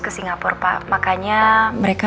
ke singapura pak makanya mereka